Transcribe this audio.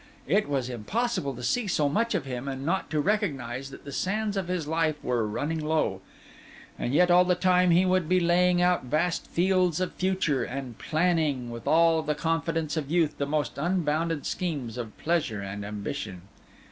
It was impossible to see so much of him, and not to recognise that the sands of his life were running low; and yet all the time he would be laying out vast fields of future, and planning, with all the confidence of youth, the most unbounded schemes of pleasure and ambition.